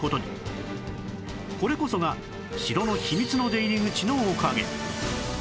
これこそが城の秘密の出入り口のおかげ